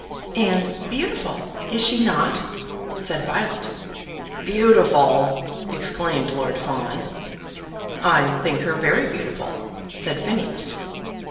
"And beautiful, is she not?" said Violet. "Beautiful!" exclaimed Lord Fawn. "I think her very beautiful," said Phineas.